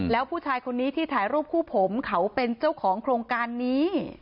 แล้วผู้ชายคนนี้ที่ถ่ายรูปคู่ผมเขาเป็นเจ้าของโครงการนี้